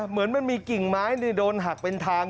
เหมือนมันมีกิ่งไม้โดนหักเป็นทาง